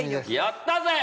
◆やったぜ！